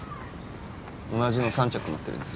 同じの３着持ってるんです